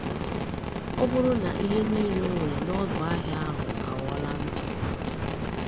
ọ bụrụ na ihe niile o nwere n'ọdụ ahịa ahụ aghọọla ntụ